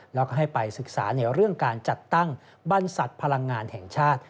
แล้วก็ให้ไปศึกษาในเรื่องการจัดตั้งบรรษัทพลังงานแห่งชาติ